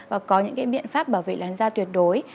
và có những cái biện pháp bảo vệ làn da tuyệt đối